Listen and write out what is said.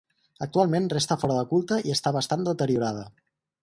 Actualment resta fora de culte i està bastant deteriorada.